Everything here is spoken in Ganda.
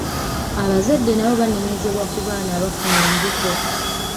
Abazadde nabo banenyezebwa ku baana abafuna embuto.